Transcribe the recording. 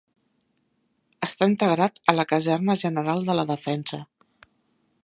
Està integrat a la Caserna General de la Defensa.